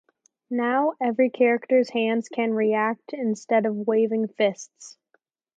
Now, every character's hands can react instead of waving fists.